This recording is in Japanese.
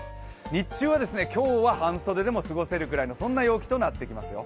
日中は今日は半袖でも過ごせるくらいのそんな陽気となってきますよ。